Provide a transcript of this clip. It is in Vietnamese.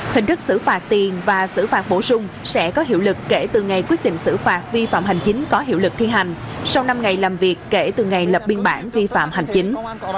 hình thức xử phạt tiền và xử phạt bổ sung sẽ có hiệu lực kể từ ngày quyết định xử phạt vi phạm hành chính có hiệu lực thi hành sau năm ngày làm việc kể từ ngày lập biên bản vi phạm hành chính